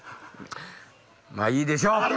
まあいいでしょう。